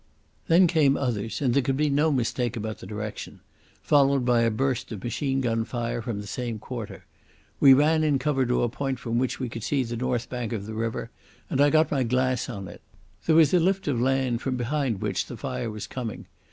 Then came others, and there could be no mistake about the direction—followed by a burst of machine gun fire from the same quarter. We ran in cover to a point from which we could see the north bank of the river, and I got my glass on it. There was a lift of land from behind which the fire was coming.